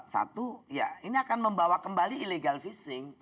satu ya ini akan membawa kembali illegal fishing